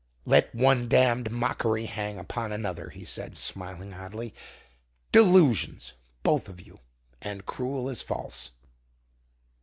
"Let one damned mockery hang upon another," he said smiling oddly. "Delusions, both of you, and cruel as false!"